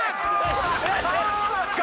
失格！